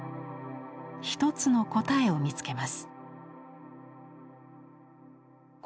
一つの答えを見つけます。